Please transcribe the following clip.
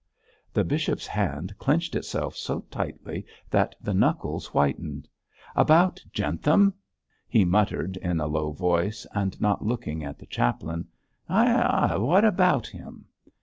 The bishop's hand clenched itself so tightly that the knuckles whitened. 'About Jentham!' he muttered in a low voice, and not looking at the chaplain; 'ay, ay, what about him?'